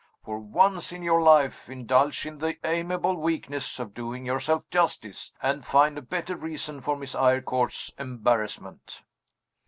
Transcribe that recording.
For once in your life, indulge in the amiable weakness of doing yourself justice and find a better reason for Miss Eyrecourt's embarrassment."